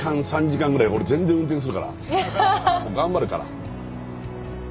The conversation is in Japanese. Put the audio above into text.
もう頑張るから。